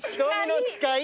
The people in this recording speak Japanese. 『瞳の誓い』